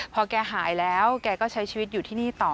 พอแกหายแล้วแกก็ใช้ชีวิตอยู่ที่นี่ต่อ